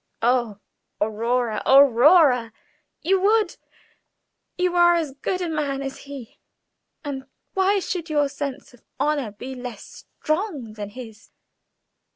"Oh, Aurora, Aurora!" "You would. You are as good a man as he, and why should your sense of honor be less strong than his?